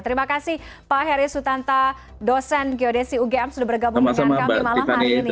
terima kasih pak heri sutanta dosen geodesi ugm sudah bergabung dengan kami malam hari ini